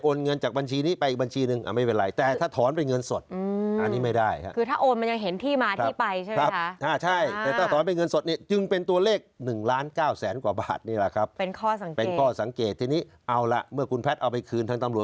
โอนเงินจากบัญชีนี้ไปอีกบัญชีนึงไม่เป็นไรแต่ถ้าถอนเป็นเงินสดอันนี้ไม่ได้ครับ